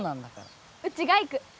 うちが行く。